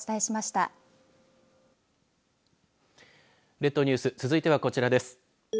列島ニュース続いてはこちらです。